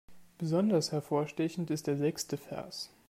Besonders hervorstechend ist der sechste Vers.